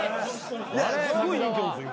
すごい人気なんですよ